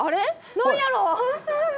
何やろう。